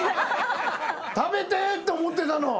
食べてえって思ってたの。